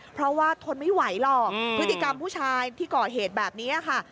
เพราะว่าทนไม่ไหวหรอกพฤติกรรมผู้ชายที่ก่อเหตุแบบนี้ค่ะ